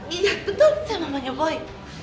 iya betul sih mamanya boy